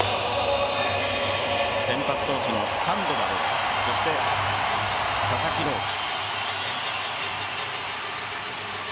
先発投手のサンドバルそして佐々木朗希。